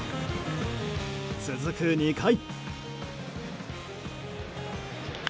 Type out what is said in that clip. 続く２回。